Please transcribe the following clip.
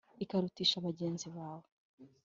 Ikakurutisha bagenzi bawe